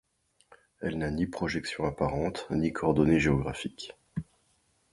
Elle n'a ni projection apparente ni coordonnées géographiques.